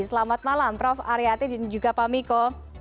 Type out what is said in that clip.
selamat malam prof aryati dan juga pak miko